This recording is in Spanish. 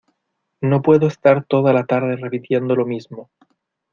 no puedo estar toda la tarde repitiendo lo mismo.